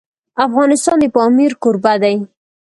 افغانستان د پامیر کوربه دی.